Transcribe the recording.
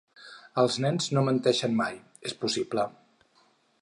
Els nens no menteixen mai, és possible.